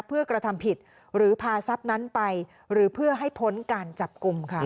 เพื่อกระทำผิดหรือพาทรัพย์นั้นไปหรือเพื่อให้พ้นการจับกลุ่มค่ะ